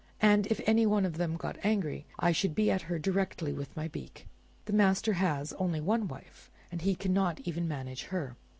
And if any one of them got angry, I should be at her directly with my beak. The master has only one wife, and he cannot even manage her."